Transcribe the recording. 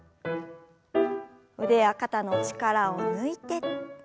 腕や肩の力を抜いて。